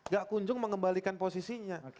gak kunjung mengembalikan posisinya